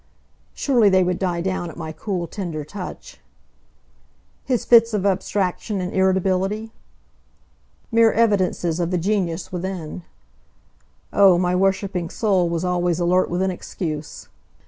Surely they would die down at my cool, tender touch. His fits of abstraction and irritability? Mere evidences of the genius within. Oh, my worshiping soul was always alert with an excuse.